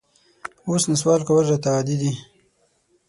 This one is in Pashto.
اوس نسوار کول راته عادي دي